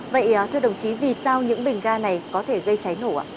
vậy thưa đồng chí vì sao những bình ga này có thể gây cháy nổ ạ